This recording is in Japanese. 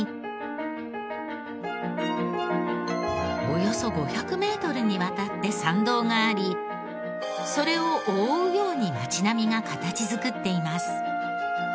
およそ５００メートルにわたって参道がありそれを覆うように街並みが形作っています。